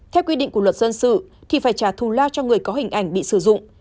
theo quy định của luật dân sự thì phải trả thù lao cho người có hình ảnh bị sử dụng